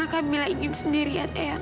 kami semua ingin menjelaskan kamila sendiri